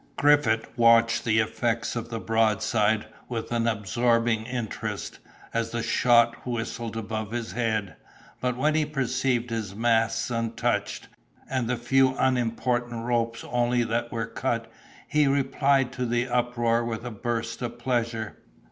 Griffith watched the effects of the broadside with an absorbing interest, as the shot whistled above his head; but when he perceived his masts untouched, and the few unimportant ropes only that were cut, he replied to the uproar with a burst of pleasure.